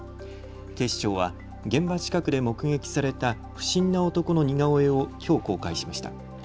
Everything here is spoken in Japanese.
警視庁は現場近くで目撃された不審な男の似顔絵をきょう公開しました。